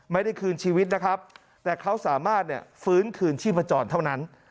ไม่ได้คืนชีวิตนะครับแต่เขาสามารถฟื้นคืนชีพจรเท่านั้น